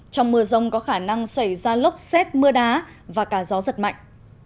trong mưa rông có khả năng xảy ra lốc xét mưa đá và cả gió giật mạnh